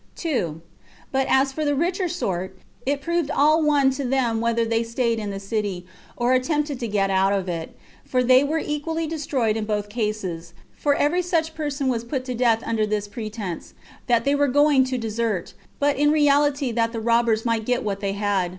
2. But as for the richer sort, it proved all one to them whether they staid in the city, or attempted to get out of it; for they were equally destroyed in both cases; for every such person was put to death under this pretense, that they were going to desert, but in reality that the robbers might get what they had.